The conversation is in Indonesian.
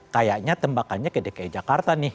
kayaknya tembakannya ke dki jakarta nih